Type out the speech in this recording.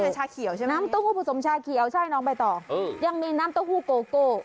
ชาเขียวใช่ไหมน้ำเต้าหู้ผสมชาเขียวใช่น้องใบต่อยังมีน้ำเต้าหู้โกโก้